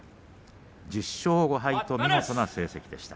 １０勝５敗と見事な成績でした。